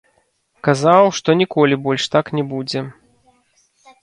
Казаў, што ніколі больш так не будзе.